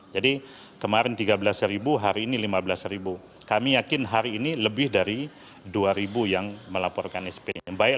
jadi kemarin tiga belas ribu hari ini lima belas kami yakin hari ini lebih dari hai dua yang melaporkan spt baik